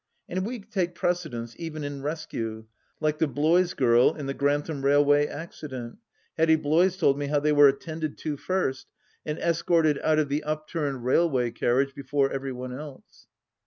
And we take precedence even in rescue, like the Blois girls in the Grantham railway accident. Hetty Blois told me how they were attended to first, and escorted out of the upturned railway carriage before every one else.